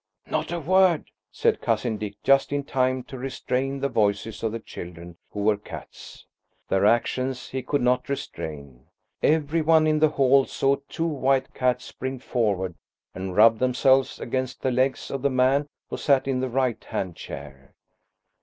"Not a word!" said Cousin Dick, just in time to restrain the voices of the children who were cats. Their actions he could not restrain. Every one in that hall saw two white cats spring forward and rub themselves against the legs of the man who sat in the right hand chair.